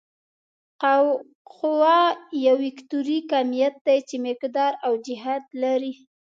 قوه یو وکتوري کمیت دی چې مقدار او جهت لري.